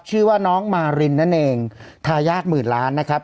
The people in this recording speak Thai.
ชื่อว่าน้องมารินนั่นเองทายาทหมื่นล้านนะครับ